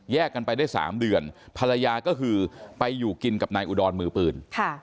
กันไปได้๓เดือนภรรยาก็คือไปอยู่กินกับนายอุดรมือปืน